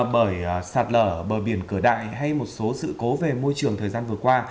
bởi sạt lở bờ biển cửa đại hay một số sự cố về môi trường thời gian vừa qua